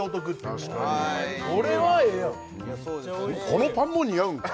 このパンも似合うんか！